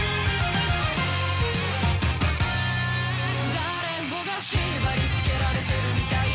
誰もが縛り付けられてるみたいだ